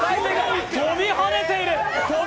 飛びはねている！